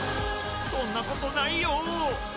そんなことないよ！